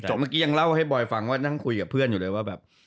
เมื่อกี้ยังเล่าให้บอยฟังว่านั่งคุยกับเพื่อนอยู่เลยว่าแบบ